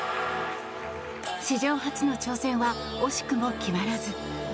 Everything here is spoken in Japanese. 史上初の挑戦は惜しくも決まらず。